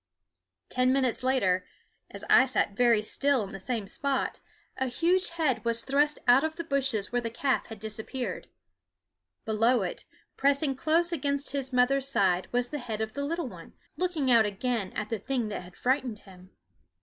Ten minutes later, as I sat very still in the same spot, a huge head was thrust out of the bushes where the calf had disappeared. Below it, pressing close against his mother's side, was the head of the little one, looking out again at the thing that had frightened him.